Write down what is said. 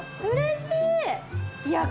うれしい！